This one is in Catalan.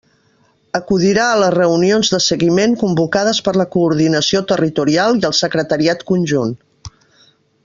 Acudirà a les reunions de seguiment convocades per la coordinació territorial i el Secretariat Conjunt.